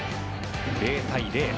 ０対０。